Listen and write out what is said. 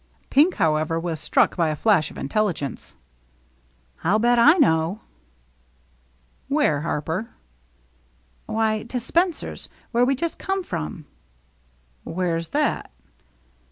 Pink, however, was struck by a flash of intelligence. " I'll bet I know." "Where, Harper?" "Why, to Spencer's, where we just come from." "Where's that?"